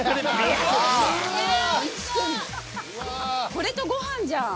これとご飯じゃん。